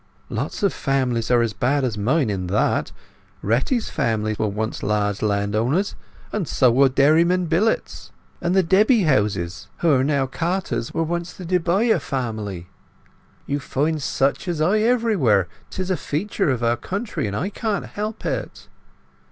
"Lots of families are as bad as mine in that! Retty's family were once large landowners, and so were Dairyman Billett's. And the Debbyhouses, who now are carters, were once the De Bayeux family. You find such as I everywhere; 'tis a feature of our county, and I can't help it."